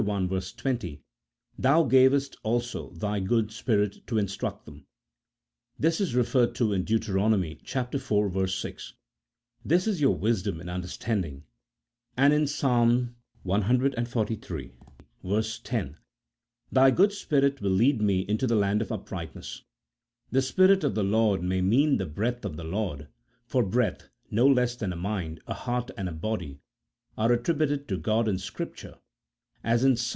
20, " Thou gavest also thy good Spirit to instruct them." This is referred to in Deut. iv. 6, "This is your wisdom and understanding," and in Ps. cxliii. 10, "Thy good Spirit will lead me into the land of uprightness." The Spirit of the Lord may mean the breath of the Lord, for breath, no less than a mind, a heart, and a body are attributed to God in Scripture, as in Ps.